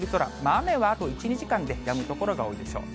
雨はあと１、２時間でやむ所が多いでしょう。